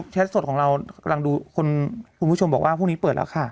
สดของเรากำลังดูคุณผู้ชมบอกว่าพรุ่งนี้เปิดแล้วค่ะ